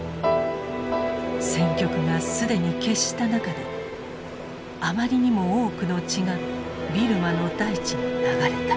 戦局が既に決した中であまりにも多くの血がビルマの大地に流れた。